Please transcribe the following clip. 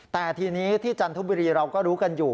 แต่ทีนี้ที่จันทบุรีเราก็รู้กันอยู่